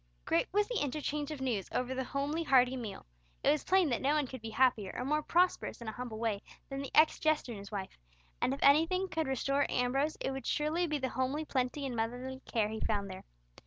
Great was the interchange of news over the homely hearty meal. It was plain that no one could be happier, or more prosperous in a humble way, than the ex jester and his wife; and if anything could restore Ambrose it would surely be the homely plenty and motherly care he found there.